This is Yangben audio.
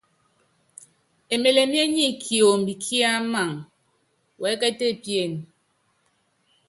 Emelemié nyɛ kiombi ki Amaŋ wɛɛ́kɛ́t epíén.